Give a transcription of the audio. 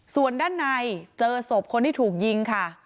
ส่วนด้านในเจอศพคนที่ถูกยิงค่ะ